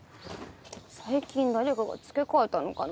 最近誰かが付け替えたのかな？